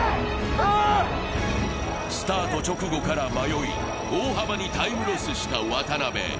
スタート直後から迷い、大幅にタイムロスした渡辺。